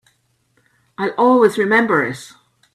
I'll always remember it.